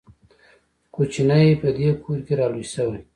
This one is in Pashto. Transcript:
کوچنی په دې کور کې را لوی شوی.